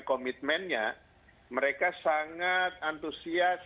komitmennya mereka sangat antusias